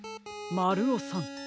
まるおさん。